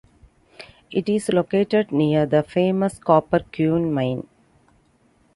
It is located near the famous Copper Queen Mine.